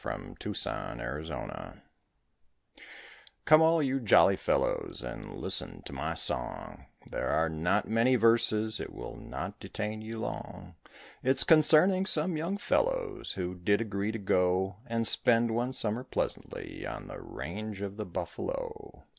THE BUFFALO SKINNERS Come all you jolly fellows and listen to my song, There are not many verses, it will not detain you long; It's concerning some young fellows who did agree to go And spend one summer pleasantly on the range of the buffalo.